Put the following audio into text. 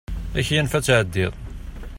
Ad ak-yanef ad tɛeddiḍ.